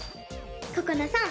ここなさん